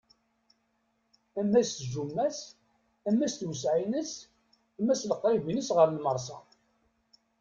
Ama s tjumma-s, ama s tewseɛ-ines, ama s leqrib-ines ɣer lmersa.